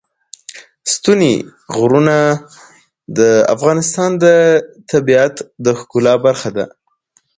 ستوني غرونه د افغانستان د طبیعت د ښکلا برخه ده.